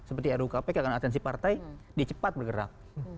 seperti rukp dia akan atensi partai dia cepat bergerak